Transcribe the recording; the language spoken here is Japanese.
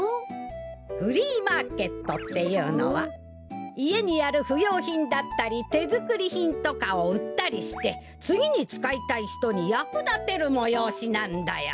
フリーマーケットっていうのはいえにあるふようひんだったりてづくりひんとかをうったりしてつぎにつかいたいひとにやくだてるもよおしなんだよ。